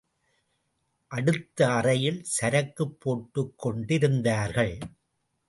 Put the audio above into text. அடுத்த அறையில் சரக்குப் போட்டுக்கொண்டிருந்தார்கள்.